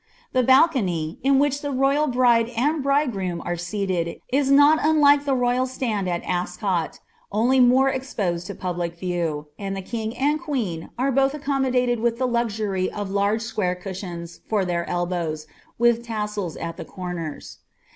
The balcoay, in wbich 4t royal bride and bridegroom are seated, is not unlike ih« royal Hi^M Ascot, only more exposed to public view ; and the king and qvMii m both accomniodated with the luxury of large square rushioaa Tot dn elbows, with laasels at the comers.